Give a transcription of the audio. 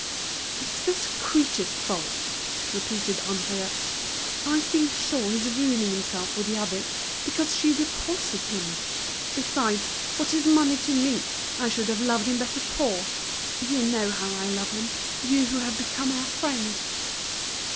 "It's this creature's fault," repeated Henriette. "I feel sure he's ruining himself with the others because she repulses him. Besides, what's his money to me? I should have loved him better poor. You know how I love him, you who have become our friend."